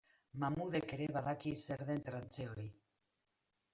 Mahmudek ere badaki zer den trantze hori.